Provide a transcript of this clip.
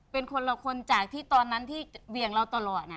เป็นคนละคนจากที่ตอนนั้นที่เหวี่ยงเราตลอด